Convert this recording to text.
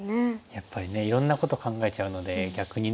やっぱりねいろんなこと考えちゃうので逆にね。